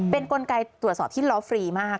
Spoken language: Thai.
เป็นกลไกตรวจสอบที่ล้อฟรีมาก